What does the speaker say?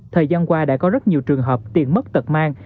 thời gian qua đã có rất nhiều trường hợp tiền mất tật mang